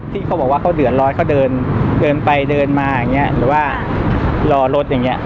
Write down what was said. ที่เขาบอกว่าเขาเดินรถเขาเดินไปเดินมาหรือว่ารอรถอย่างนี้